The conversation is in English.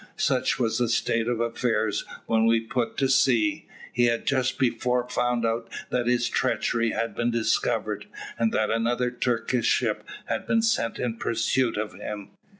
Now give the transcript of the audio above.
Such was the state of affairs when we put to sea. He had just before found out that his treachery had been discovered, and that another Turkish ship had been sent in pursuit of him.